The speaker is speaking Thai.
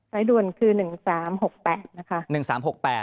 ด่วนคือ๑๓๖๘นะคะ